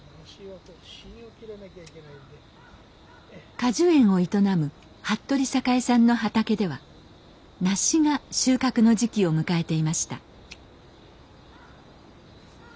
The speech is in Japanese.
果樹園を営む服部栄さんの畑ではナシが収穫の時期を迎えていました。